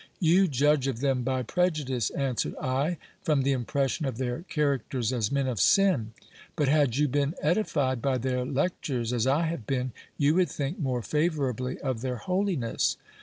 You judge of them by prejudice, answered I, from the impression of their characters as men of sin : but had you been edified by their lectures as I have been, you would think more favourably of their holiness.